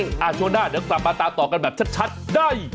ช่วงหน้าเดี๋ยวกลับมาตามต่อกันแบบชัดได้